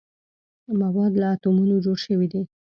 مواد له اتومونو جوړ شوي دي.